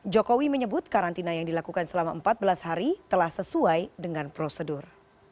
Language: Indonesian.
jokowi menyebut karantina yang dilakukan selama empat belas hari telah sesuai dengan prosedur